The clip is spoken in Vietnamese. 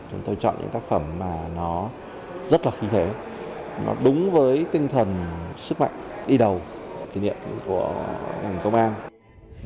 chúng tôi chọn những tác phẩm mà nó rất là khí thế nó đúng với tinh thần sức mạnh đi đầu kỷ niệm của nhà nghệ thuật công an